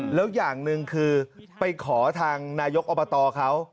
แล้วอย่างหนึ่งคือไปขอทางนายกอบตเขา